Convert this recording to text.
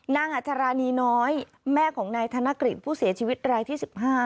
อัชรานีน้อยแม่ของนายธนกฤษผู้เสียชีวิตรายที่๑๕